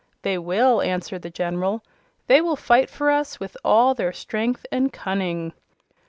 "They will," answered the General. "They will fight for us with all their strength and cunning."